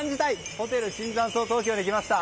ホテル椿山荘東京に来ました。